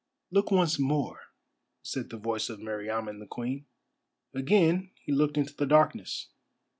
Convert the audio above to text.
"Look once more," said the voice of Meriamun the Queen. Again he looked into the darkness.